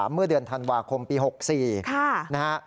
เมื่อเดือนธันวาคมปี๖๔นะฮะ